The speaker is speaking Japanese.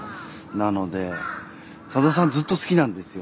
なのでさださんずっと好きなんですよ。